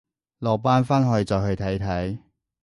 落班翻去再去睇睇